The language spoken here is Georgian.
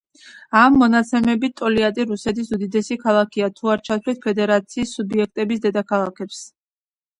ამ მონაცემებით, ტოლიატი რუსეთის უდიდესი ქალაქია, თუ არ ჩავთვლით ფედერაციის სუბიექტების დედაქალაქებს.